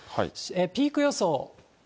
ピーク予想。